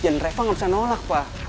dan reva gak bisa nolak pak